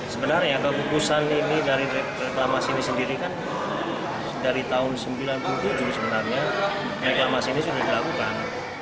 sebenarnya keputusan ini dari reklamasi ini sendiri kan dari tahun seribu sembilan ratus sembilan puluh tujuh sebenarnya reklamasi ini sudah dilakukan